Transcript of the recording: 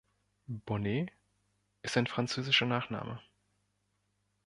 Bonnet ist ein französischer Nachname.